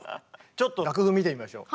ちょっと楽譜見てみましょう。